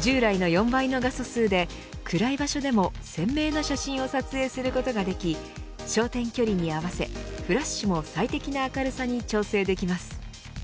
従来の４倍の画素数で暗い場所でも鮮明な写真を撮影することができ焦点距離に合わせフラッシュも最適な明るさに調節できます。